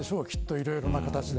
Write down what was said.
いろいろな形で。